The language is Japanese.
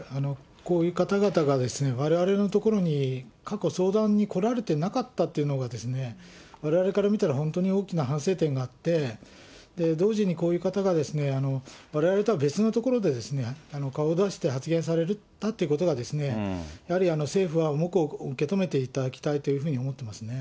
こういう方々がわれわれのところに過去、相談に来られてなかったというのが、われわれから見たら、本当に大きな反省点があって、同時に、こういう方がわれわれとは別のところで顔を出して発言されたってことが、やはり政府は重く受け止めていただきたいと思いますね。